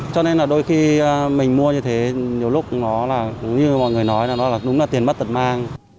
cho nên là đôi khi mình mua như thế nhiều lúc nó là đúng như mọi người nói là nó đúng là tiền mất tật mang